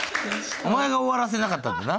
お前が終わらせなかったんだよな。